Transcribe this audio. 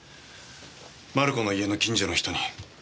マルコの家の近所の人に。